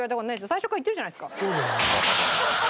最初から言ってるじゃないですか。